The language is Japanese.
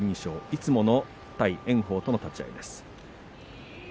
いつもの対炎鵬との立ち合いです。